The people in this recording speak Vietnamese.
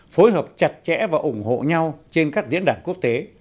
phối hợp chặt chẽ và ủng hộ nhau trên các diễn đàn quốc tế